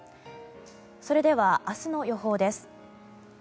それでは明日の予報です。